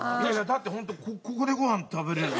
だってホントここでご飯食べられる。